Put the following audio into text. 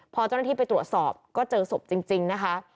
พอเจ้าหน้าที่ไปตรวจสอบก็เจอศพจริงนะคะ